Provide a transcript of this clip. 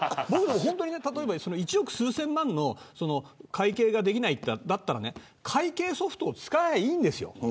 例えば１億数千万の会計ができないんだったら会計ソフトを使えばいいんですよ。